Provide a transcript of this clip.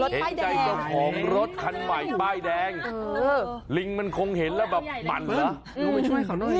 เห็นใจของรถคันใหม่ป้ายแดงลิงมันคงเห็นแล้วแบบหมั่นเหรอ